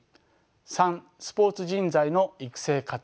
３スポーツ人材の育成・活用。